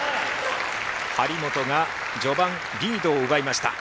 張本が序盤、リードを奪いました。